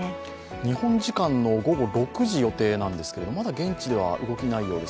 日本時間の午後６時予定なんですけど、まだ現地では動きないようです。